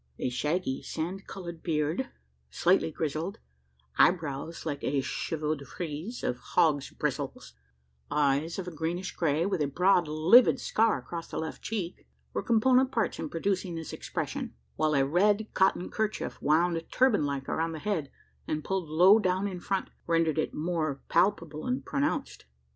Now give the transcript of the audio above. A shaggy sand coloured beard, slightly grizzled; eyebrows like a chevaux de frise of hogs' bristles; eyes of a greenish grey, with a broad livid scar across the left cheek, were component parts in producing this expression; while a red cotton kerchief, wound, turban like, around the head, and, pulled low down in front, rendered it more palpable and pronounced.